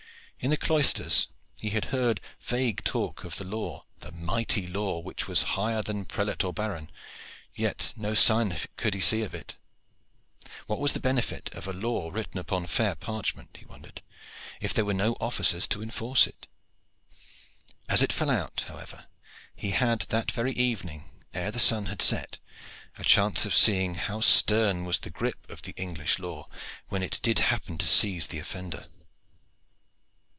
In the cloisters he had heard vague talk of the law the mighty law which was higher than prelate or baron, yet no sign could he see of it. What was the benefit of a law written fair upon parchment, he wondered, if there were no officers to enforce it. As it fell out, however, he had that very evening, ere the sun had set, a chance of seeing how stern was the grip of the English law when it did happen to seize the offender.